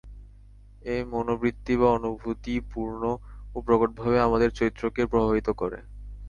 এই মনোবৃত্তি বা অনুভূতিই পূর্ণ ও প্রকটভাবে আমাদের চরিত্রকে প্রভাবিত করে।